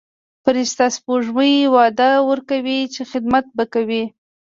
فرشته سپوږمۍ وعده ورکوي چې خدمت به کوي.